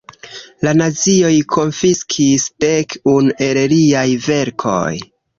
La nazioj konfiskis dek unu el liaj verkoj.